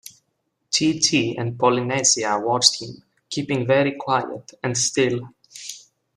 Chee-Chee and Polynesia watched him, keeping very quiet and still.